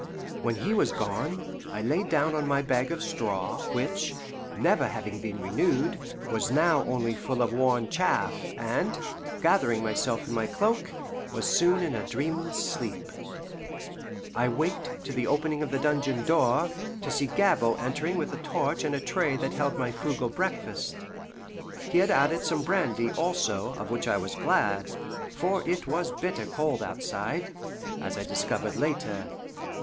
When he was gone, I lay down on my bag of straw, which, never having been renewed, was now only full of worn chaff, and, gathering myself in my cloak, was soon in a dreamless sleep. I waked to the opening of the dungeon door, to see Gabord entering with a torch and a tray that held my frugal breakfast. He had added some brandy, also, of which I was glad, for it was bitter cold outside, as I discovered later.